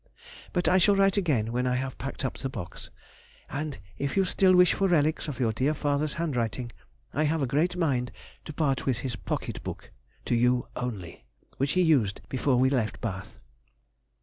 But I shall write again when I have packed up the box, and if you still wish for relics of your dear father's hand writing, I have a great mind to part with his pocket book (to you only), which he used before we left Bath.